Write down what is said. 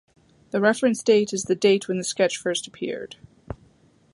The referenced date is the date when the sketch first appeared.